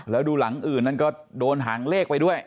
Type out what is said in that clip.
แล้วดูหลังอื่นนั้นก็โดนหางเลขไปด้วย